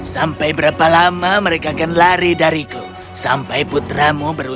sampai berapa lama mereka akan lari dariku sampai berapa lama mereka akan lari dariku